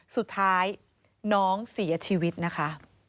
สุดท้ายน้องเสียชีวิตนะคะ